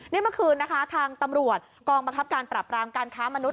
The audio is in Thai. นี่เมื่อคืนนะคะทางตำรวจกองบังคับการปรับรามการค้ามนุษ